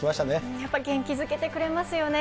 やっぱり元気づけてくれますよね。